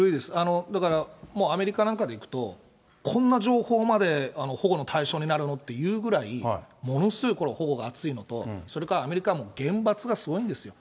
だから、もうアメリカなんかでいくと、こんな情報まで保護の対象になるのっていうぐらい、ものすごい保護が厚いのと、それからアメリカもう厳罰がすごいんですよ。